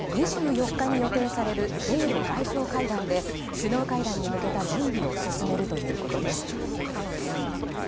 ２４日に予定される米露外相会談で首脳会談に向けた準備を進めるということです。